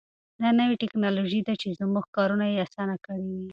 دا نوې تکنالوژي ده چې زموږ کارونه یې اسانه کړي دي.